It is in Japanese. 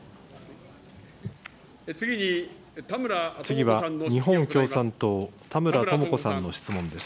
次は日本共産党、田村智子さんの質問です。